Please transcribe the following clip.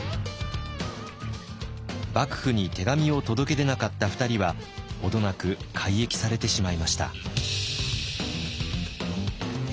幕府に手紙を届け出なかった２人は程なく改易されてしまいました。